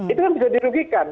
itu kan bisa dirugikan